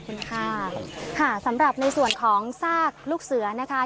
คุณค่าค่ะสำหรับในส่วนของซากลูกเสือนะคะ